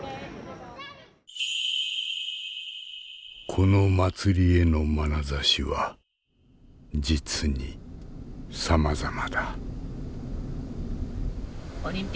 この祭りへのまなざしは実にさまざまだ。